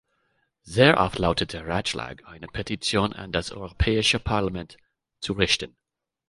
Sehr oft lautet der Ratschlag, eine Petition an das Europäische Parlament zu richten.